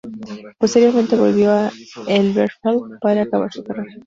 Posteriormente volvió a Elberfeld para acabar su carrera.